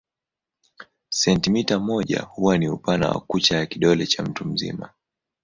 Sentimita moja huwa ni upana wa kucha ya kidole cha mtu mzima.